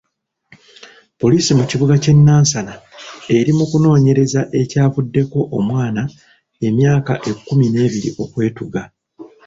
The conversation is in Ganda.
Poliisi mu kibuga ky'e Nansana eri mu kunoonyereza ekyavuddeko omwana emyaka ekkumi n'ebiri okwetuga.